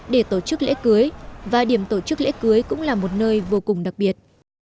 để tổ chức lễ cưới và điểm tổ chức lễ cưới cũng là một nơi vô cùng đặc biệt